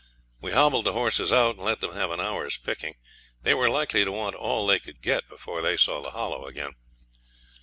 We hobbled the horses out and let them have an hour's picking. They were likely to want all they could get before they saw the Hollow again.